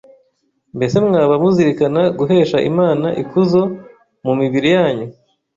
mbese mwaba muzirikana guhesha Imana ikuzo mu mibiri yanyu